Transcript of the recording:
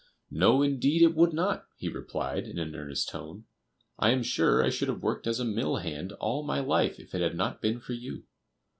"No, indeed it would not," he replied, in an earnest tone; "I am sure I should have worked as a mill hand all my life if it had not been for you.